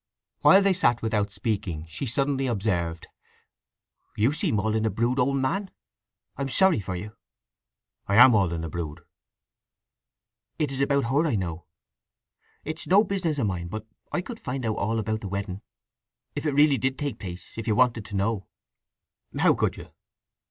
While they sat without speaking she suddenly observed: "You seem all in a brood, old man. I'm sorry for you." "I am all in a brood." "It is about her, I know. It's no business of mine, but I could find out all about the wedding—if it really did take place—if you wanted to know." "How could you?"